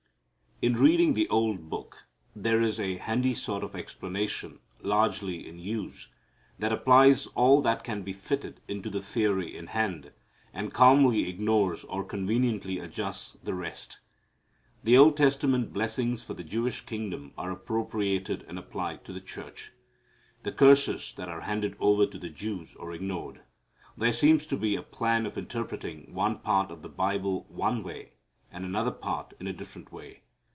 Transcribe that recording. In reading the old Book there is a handy sort of explanation largely in use that applies all that can be fitted into the theory in hand, and calmly ignores or conveniently adjusts the rest. The Old Testament blessings for the Jewish kingdom are appropriated and applied to the church. The curses there are handed over to the Jews or ignored. There seems to be a plan of interpreting one part of the Bible one way and another part in a different way.